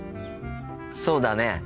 そうだね。